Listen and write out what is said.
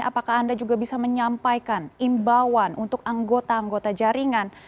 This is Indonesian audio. apakah anda juga bisa menyampaikan imbauan untuk anggota anggota jaringan